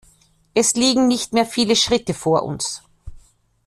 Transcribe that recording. Es liegen nicht mehr viele Schritte vor uns.